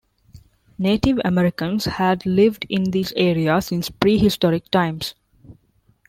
Native Americans had lived in this area since prehistoric times.